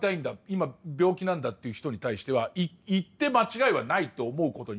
今病気なんだっていう人に対しては行って間違いはないと思うことになる。